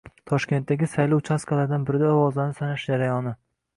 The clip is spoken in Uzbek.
Toshkentdagi saylov uchastkalaridan birida ovozlarni sanash jarayoni